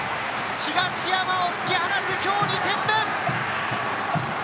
東山を突き放す、今日２点目！